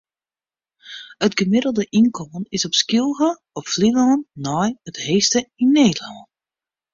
It gemiddelde ynkommen is op Skylge op Flylân nei it heechste yn Nederlân.